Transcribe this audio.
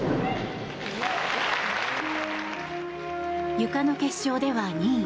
ゆかの決勝では２位。